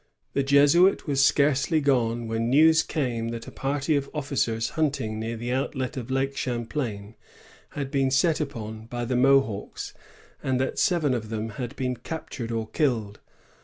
The Jesuit was scarcely gone when news came that a party of officers hunting near the outlet of Lake Champlain had been set upon by the Mohawks, and that seven of them had been captured or killed.